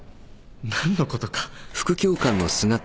何のことか。